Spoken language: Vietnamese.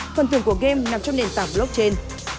phần thường của game nằm trong nền tảng blockchain